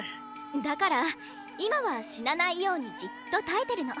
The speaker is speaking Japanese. だから今は死なないようにじっと耐えてるの。